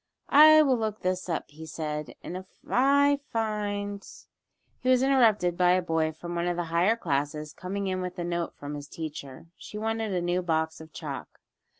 "I will look this up," he said, "and if find " He was interrupted by a boy from one of the higher classes coming in with a note from his teacher. She wanted a new box of chalk.